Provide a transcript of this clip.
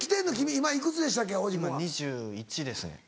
今２１歳ですね。